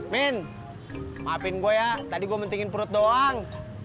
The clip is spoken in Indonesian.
min maafin gue ya tadi gue mendingin perut doang